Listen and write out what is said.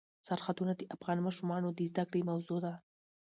سرحدونه د افغان ماشومانو د زده کړې موضوع ده.